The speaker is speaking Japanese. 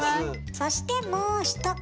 そしてもう一方。